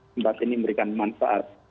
tempat ini memberikan manfaat